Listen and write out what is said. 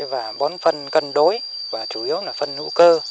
và bón phân cân đối và chủ yếu là phân hữu cơ